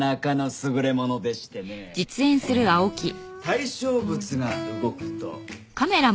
対象物が動くと。